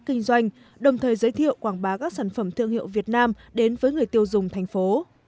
kinh doanh đồng thời giới thiệu quảng bá các sản phẩm thương hiệu việt nam đến với người tiêu dùng thành phố